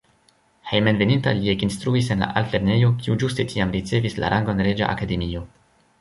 Hejmenveninta li ekinstruis en la altlernejo, kiu ĝuste tiam ricevis la rangon reĝa akademio.